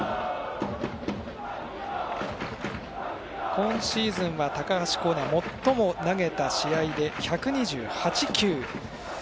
今シーズンは、高橋光成最も投げた試合で１２８球。